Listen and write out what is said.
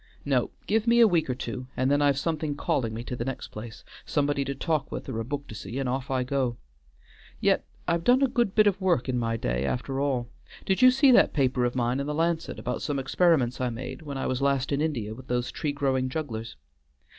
No, give me a week or two, and then I've something calling me to the next place; somebody to talk with or a book to see, and off I go. Yet, I've done a good bit of work in my day after all. Did you see that paper of mine in the 'Lancet' about some experiments I made when I was last in India with those tree growing jugglers?